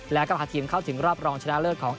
แล้วก็พาทีมเข้าถึงรอบรองชนะเลิศของ